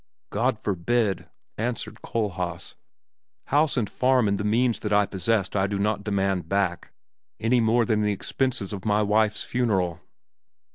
"God forbid!" answered Kohlhaas. "House and farm and the means that I possessed I do not demand back, any more than the expenses of my wife's funeral!